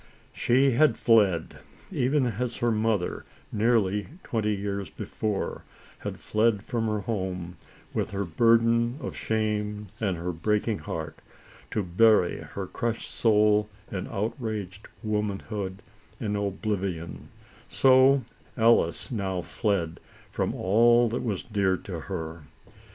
She had fled. Even as her mother, nearly twenty years before, had fled from her home, with her burden of shame and her breaking heart, to bury her crushed soul and outraged womanhood in oblivion, so Alice now fled, from all that was dear to her.